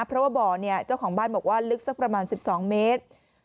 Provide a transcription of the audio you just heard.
เพราะว่าบ่อเนี่ยเจ้าของบ้านบอกว่าลึกสักประมาณ๑๒เมตร